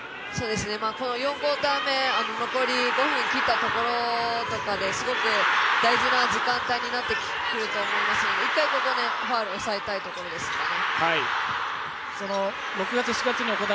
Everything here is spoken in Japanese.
この４クオーター目、残り５分切ったところとかですごく大事な時間帯になってくると思いますので、１回ここでファウルは抑えたいところですね。